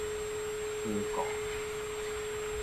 龜顧